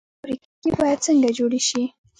فابریکې باید څنګه جوړې شي؟